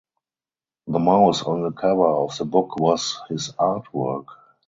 The mouse on the cover of the book was his art work.